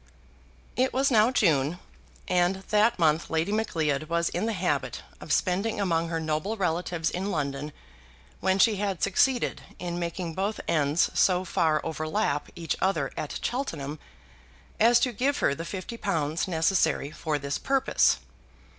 It was now June; and that month Lady Macleod was in the habit of spending among her noble relatives in London when she had succeeded in making both ends so far overlap each other at Cheltenham as to give her the fifty pounds necessary for this purpose.